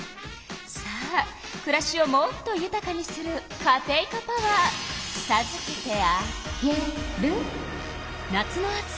さあくらしをもっとゆたかにするカテイカパワーさずけてあげる。